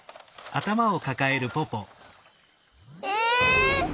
え！